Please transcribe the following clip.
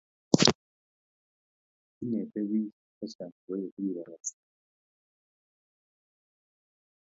inetii biik chechang logoiywek chegibarastai eng telefishenit